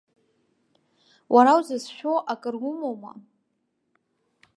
Уара узыцәшәо акыр умоума?